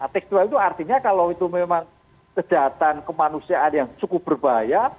tekstual itu artinya kalau itu memang kejahatan kemanusiaan yang cukup berbahaya